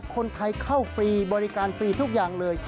คนไทยเข้าฟรีบริการฟรีทุกอย่างเลย